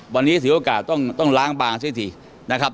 วันนี้เสียโอกาสต้องล้างบางซะทีนะครับ